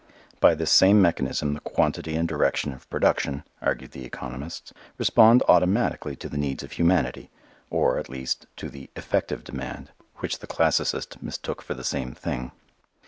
By this same mechanism the quantity and direction of production, argued the economists, respond automatically to the needs of humanity, or, at least, to the "effective demand," which the classicist mistook for the same thing.